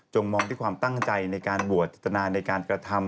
มองด้วยความตั้งใจในการบวชจิตนาในการกระทำ